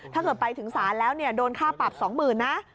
ถ้าเกิดไปถึงศาลแล้วโดนค่าปรับ๒๐๐๐นะ